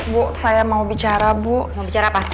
gratis apa kalau saya petah